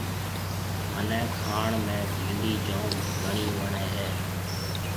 ميني کائڻ ۾ ڀِنڊِي جوم گھڻِي وڻيَ هيَ۔